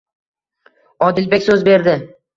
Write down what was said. Odilbek so'z berdi.